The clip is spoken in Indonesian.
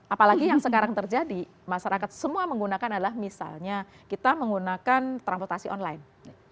apalagi yang sekarang terjadi masyarakat semua menggunakan adalah misalnya kita menggunakan transportasi online